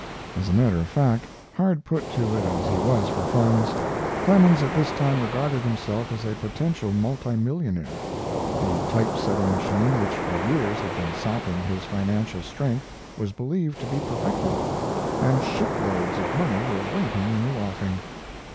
As a matter of fact, hard put to it as he was for funds, Clemens at this time regarded himself as a potential multi millionaire. The type setting machine which for years had been sapping his financial strength was believed to be perfected, and ship loads of money were waiting in the offing.